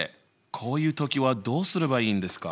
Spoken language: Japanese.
こういう時はどうすればいいんですか？